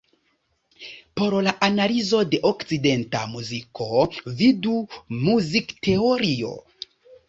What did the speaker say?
Por la analizo de okcidenta muziko, vidu muzikteorio.